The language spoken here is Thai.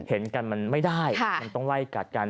เห็นกันมันไม่ได้มันต้องไล่กัดกัน